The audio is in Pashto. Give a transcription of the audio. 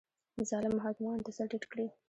ظالمو حاکمانو ته سر ټیټ کړي